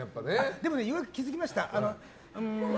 でも、ようやく気づきました。